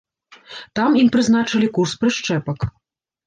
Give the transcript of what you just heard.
Там ім прызначылі курс прышчэпак.